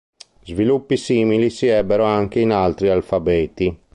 Sviluppi simili si ebbero anche in altri alfabeti.